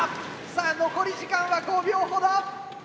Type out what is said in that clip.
さあ残り時間は５秒ほど。